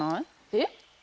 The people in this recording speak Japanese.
えっ？